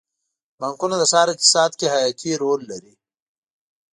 بانکونه د ښار اقتصاد کې حیاتي رول لري.